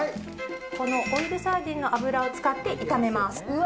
このオイルサーディンの油を使って炒めますうわ